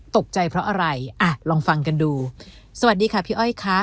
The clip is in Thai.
ตกใจเพราะอะไรอ่ะลองฟังกันดูสวัสดีค่ะพี่อ้อยค่ะ